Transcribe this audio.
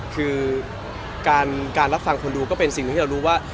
คือการรับฟังคนดูก็เป็นสิ่งที่เรารู้ว่า